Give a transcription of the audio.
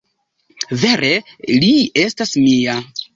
Vere li estas mia.